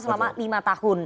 selama lima tahun